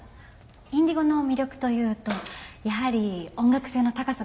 Ｉｎｄｉｇｏの魅力というとやはり音楽性の高さです。